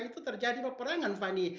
itu terjadi peperangan fani